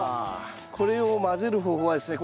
これを混ぜる方法はですね